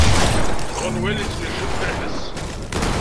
John wel yettnejjem f lḥess.